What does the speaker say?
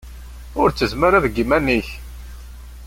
Ur ttezzem ara deg yiman-ik!